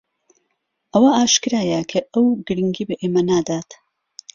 ئەوە ئاشکرایە کە ئەو گرنگی بە ئێمە نادات.